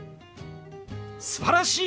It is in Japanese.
すばらしい！